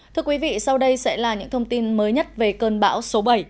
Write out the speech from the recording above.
thưa quý vị sau đây sẽ là những thông tin mới nhất về cơn bão số bảy